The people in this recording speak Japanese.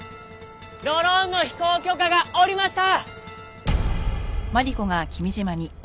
ドローンの飛行許可が下りました！